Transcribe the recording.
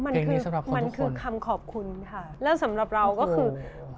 เพลงนี้สำหรับคนทุกคนมันคือคำขอบคุณค่ะแล้วสำหรับเราก็คือ